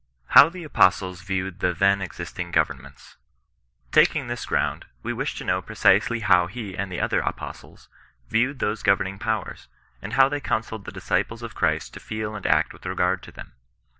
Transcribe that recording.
HOW THE APOSTLES VIEWED THE THEN EXISTING GOVERNMENTS. Taking this groimd, we wish to know precisely how he and the other apostles viewed those governing powers, and how they counselled the disciples of Christ to feel and act with regard to them.